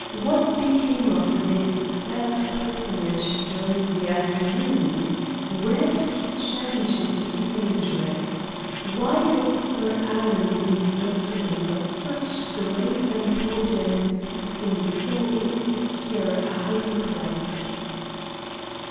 What became of this third personage during the afternoon? Where did he change into evening dress? Why did Sir Alan leave documents of such grave importance in so insecure a hiding place?"